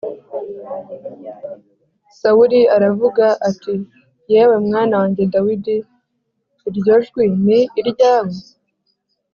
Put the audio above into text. Sawuli aravuga ati “Yewe mwana wanjye Dawidi, iryo jwi ni iryawe?”